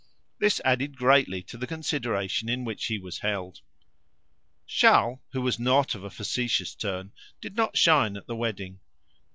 This added greatly to the consideration in which he was held. Charles, who was not of a facetious turn, did not shine at the wedding.